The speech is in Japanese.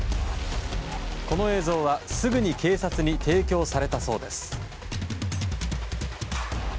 この映像は、すぐに警察に提供されたそうです。